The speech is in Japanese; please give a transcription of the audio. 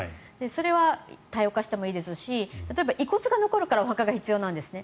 それは、多様化してもいいですし例えば遺骨が残るからお墓が必要なんですね。